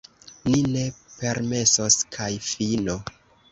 Ni ne permesos, kaj fino!